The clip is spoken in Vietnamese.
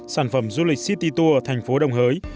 sản phẩm du lịch city tour thành phố đồng hới